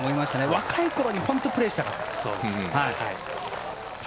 若いころに本当、プレーしたかった。